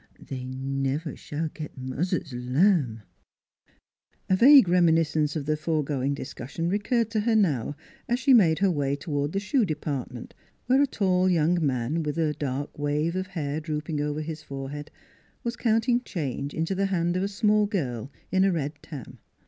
They never s'all get muzzer's lamb !..." A vague reminiscence of the foregoing discus sion recurred to her now as she made her way to ward the shoe department, where a tall young man, with a dark wave of hair drooping over his forehead, was counting change into the hand of a small girl, in a red tarn.